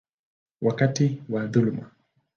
wakati wa dhuluma.